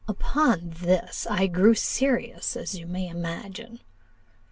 Upon this I grew serious, as you may imagine.